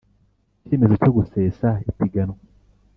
icyemezo cyo gusesa ipiganwa